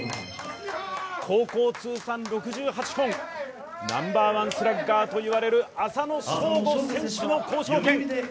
高校通算６８本、ナンバーワンスラッガーといわれる浅野翔吾選手の交渉権！